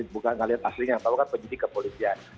bukan ngelihat aslinya tapi kan penyidikan kepolisian